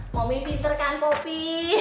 mami pinter kan popi